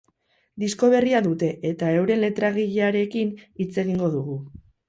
Disko berria dute, eta euren letragilearekin hitz egingo dugu.